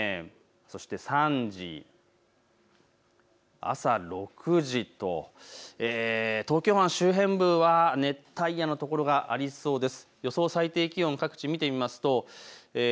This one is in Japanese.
そして３時、朝６時と東京湾周辺部は熱帯夜の所がありそうです。